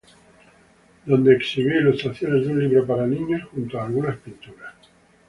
Donde exhibió ilustraciones de un libro para niños junto a algunas pinturas.